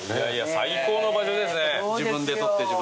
最高の場所ですね。